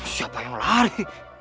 siapa yang lari